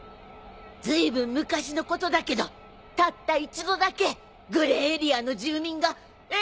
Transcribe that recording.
ずいぶん昔のことだけどたった一度だけグレーエリアの住民がエントリーできたっていう伝説。